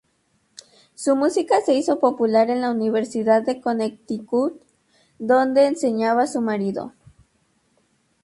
Su música se hizo popular en la Universidad de Connecticut, donde enseñaba su marido.